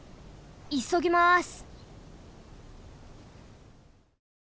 いそぎます。